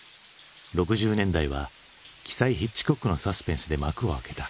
６０年代は鬼才ヒッチコックのサスペンスで幕を開けた。